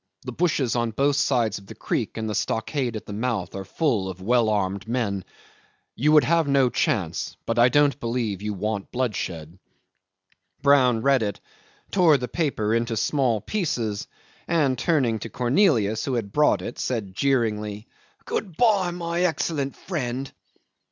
The bushes on both sides of the creek and the stockade at the mouth are full of well armed men. You would have no chance, but I don't believe you want bloodshed." Brown read it, tore the paper into small pieces, and, turning to Cornelius, who had brought it, said jeeringly, "Good bye, my excellent friend."